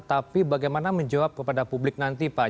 tapi bagaimana menjawab kepada publik nanti pak